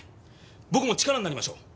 僕も力になりましょう。